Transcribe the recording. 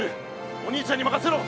お兄ちゃんにまかせろ！